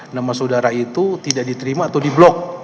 nama saudara itu tidak diterima atau di blok